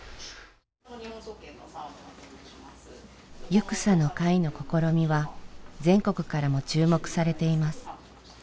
ゆくさの会の試みは全国からも注目されています。